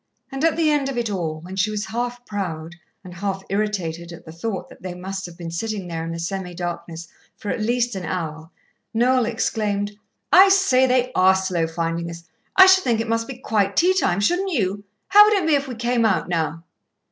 And at the end of it all, when she was half proud and half irritated at the thought that they must have been sitting there in the semi darkness for at least an hour, Noel exclaimed: "I say, they are slow finding us. I should think it must be quite tea time, shouldn't you? How would it be if we came out now?"